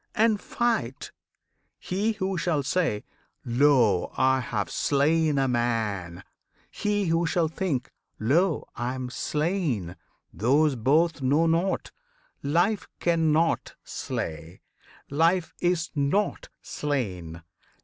and fight! He who shall say, "Lo! I have slain a man!" He who shall think, "Lo! I am slain!" those both Know naught! Life cannot slay. Life is not slain!